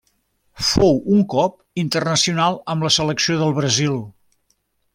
Fou un cop internacional amb la selecció del Brasil.